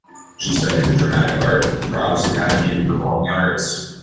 She studied the dramatic art at the Prague's Academy of Performing Arts.